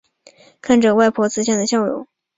看着外婆慈祥的笑容